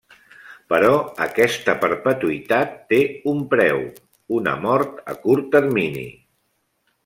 Però aquesta perpetuïtat té un preu: una mort a curt termini.